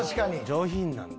上品なんだ。